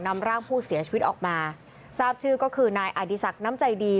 นำร่างผู้เสียชีวิตออกมาทราบชื่อก็คือนายอดีศักดิ์น้ำใจดี